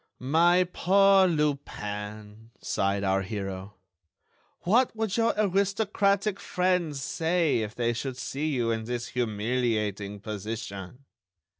"My poor Lupin," sighed our hero, "what would your aristocratic friends say if they should see you in this humiliating position?"